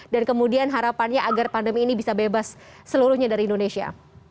dan kemudian harapannya agar pandemi ini bisa bebas seluruhnya dari indonesia